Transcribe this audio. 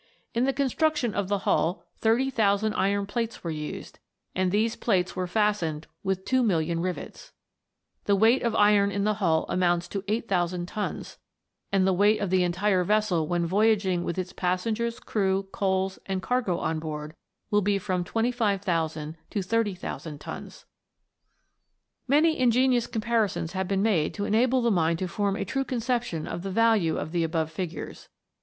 In the construction of the hull 30,000 iron plates were used, and these plates were fastened with 2,000,000 rivets. The weight of iron in the hull amounts to 8000 tons, and the weight of the entire vessel when voyaging with its passengers, crew, coals, and cargo on board, will be from 25,000 to 30,000 tons. Many ingenious comparisons have been made to enable the mind to form a true conception of the value of the above figures.